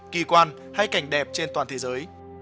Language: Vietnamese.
kỳ quan hay cảnh đẹp trên toàn thế giới